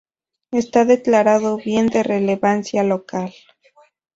Está declarado bien de relevancia local.